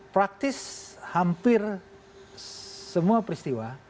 praktis hampir semua peristiwa